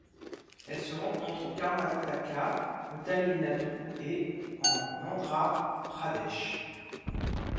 Elle se rencontre au Karnataka, au Tamil Nadu et en Andhra Pradesh.